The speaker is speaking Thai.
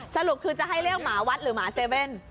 สรุปคือจะให้เรียกหมาวัดหรือหมาเซเว่น